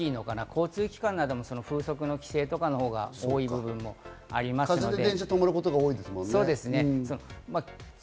交通機関も風速とかの規制のほうが多い部分がありますので。